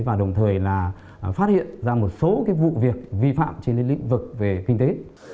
và đồng thời là phát hiện ra một số vụ việc vi phạm trên lĩnh vực về kinh tế